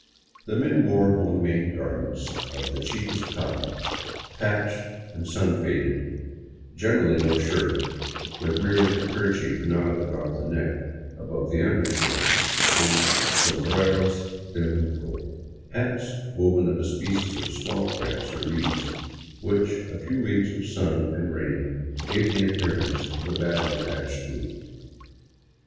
The men wore home made garments of the cheapest cotton, patched and sun faded, generally no shirt, with merely a kerchief knotted about the neck above the undershirt, and sombreros de junco, hats woven of a species of swamp grass or reeds, which a few weeks of sun and rain gave the appearance of a badly thatched roof.